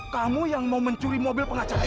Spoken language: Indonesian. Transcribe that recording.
kamu yang mau mencuri mobil pengantin saya